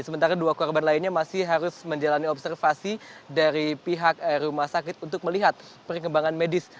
sementara dua korban lainnya masih harus menjalani observasi dari pihak rumah sakit untuk melihat perkembangan medis